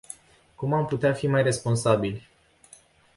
Cum am putea fi mai responsabili?